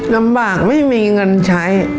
ลำบากไม่มีเงินใช้